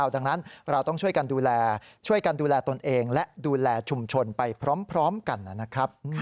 ดังนั้นเราต้องช่วยกันดูแลช่วยกันดูแลตนเองและดูแลชุมชนไปพร้อมกันนะครับ